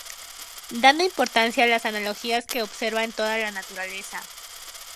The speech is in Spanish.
Dando importancia a las analogías que observa en toda la naturaleza.